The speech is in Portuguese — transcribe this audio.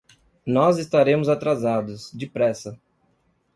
Nós estaremos atrasados, depressa.